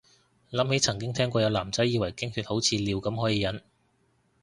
諗起曾經聽過有男仔以為經血好似尿咁可以忍